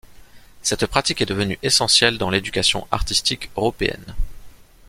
Cette pratique est devenue essentielle dans l’éducation artistique européenne.